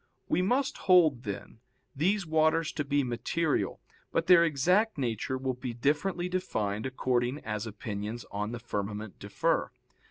We must hold, then, these waters to be material, but their exact nature will be differently defined according as opinions on the firmament differ.